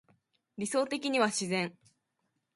理想的には自然